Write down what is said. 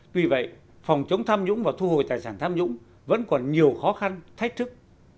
tuy vậy phòng chống tham nhũng và thu hồi tài sản tham nhũng vẫn còn nhiều khó khăn thách thức